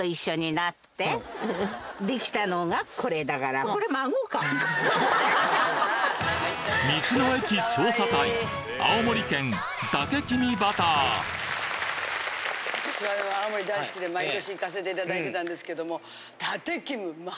私は青森大好きで毎年行かせていただいてたんですけども。